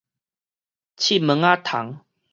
刺毛仔蟲